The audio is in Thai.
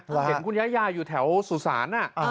เห็นคุณยะยะอยู่แถวสุศาน